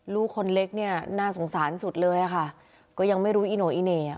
ลูกคนเล็กนี่น่าสงสารสุดเลยค่ะก็ยังไม่รู้อิหน่อยอิเหนย์